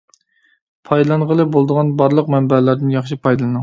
پايدىلانغىلى بولىدىغان بارلىق مەنبەلەردىن ياخشى پايدىلىنىڭ.